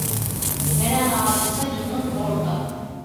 Neren ağrırsa canın orda.